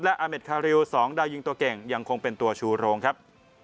และอาเมดคาริว๒ดาวยิงตัวเก่งยังคงเป็นตัวชูโรงครับ